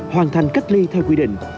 hoàn thành cách ly theo quy định